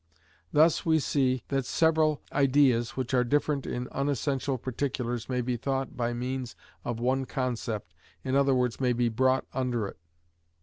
Thus we see that several ideas which are different in unessential particulars may be thought by means of one concept, i.e., may be brought under it.